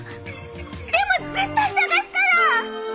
でも絶対捜すから！